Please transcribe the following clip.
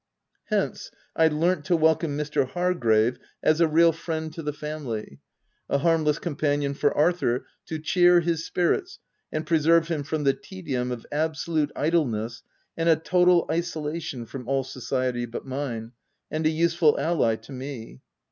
Hence, I learnt to welcome Mr. Hargrave, as a real friend to the family, a harmless com panion for Arthur, to cheer his spirits and pre serve him from the tedium of absolute idleness and a total isolation from all society but mine, and a useful ally to me.